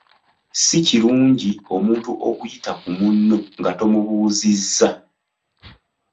Si kirungi omuntu okuyita ku munno nga tomubuuzizza.